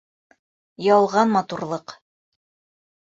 Ялған матурлыҡ